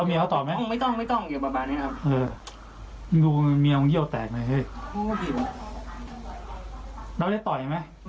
ไม่ได้โดยกองสาบานได้เลย